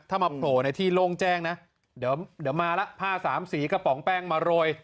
ถ้ามาโผล่ในที่โล่งแจ้งนะเดี๋ยวมาแล้วผ้าสามสีกระป๋องแป้งมาโรย